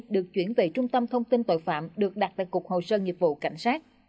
được chuyển về trung tâm thông tin tội phạm được đặt tại cục hồ sơ nghiệp vụ cảnh sát